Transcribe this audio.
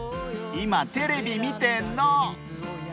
今、テレビ見てんの。